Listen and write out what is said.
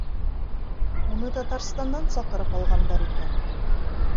Уны Татарстандан саҡырып алғандар икән.